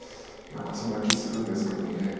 何かそんな気するんですけどね。